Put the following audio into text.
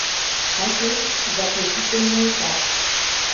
— Таче — заключительный этап.